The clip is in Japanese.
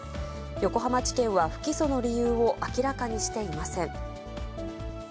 横浜地検は不起訴の理由を明らかにしていません。